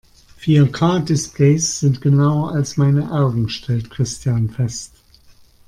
Vier-K-Displays sind genauer als meine Augen, stellt Christian fest.